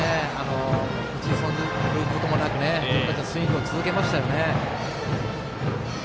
打ち損じることもなくスイングを続けましたよね。